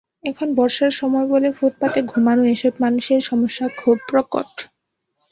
এখন বর্ষার সময় বলে ফুটপাতে ঘুমানো এসব মানুষের সমস্যা খুব প্রকট।